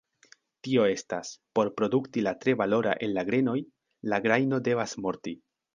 Tio estas, por produkti la tre valora el la grenoj, la grajno devas morti.